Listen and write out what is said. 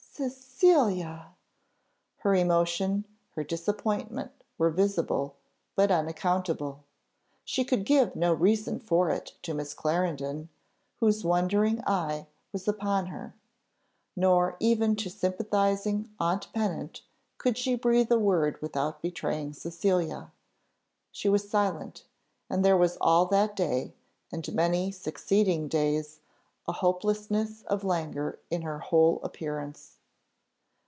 Cecilia!" Her emotion, her disappointment, were visible, but unaccountable: she could give no reason for it to Miss Clarendon, whose wondering eye was upon her; nor even to sympathising aunt Pennant could she breathe a word without betraying Cecilia; she was silent, and there was all that day, and many succeeding days, a hopelessness of languor in her whole appearance.